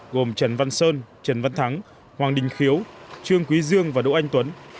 gồm trần văn sơn trần văn thắng hoàng đình khiếu trương quý dương và đỗ anh tuấn